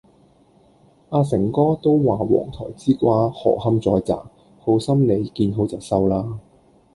阿誠哥都話黃台之瓜何堪再摘，好心妳見好就收啦。